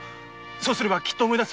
そうすればきっと思い出す。